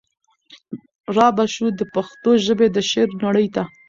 را به شو د پښتو ژبي د شعر نړۍ ته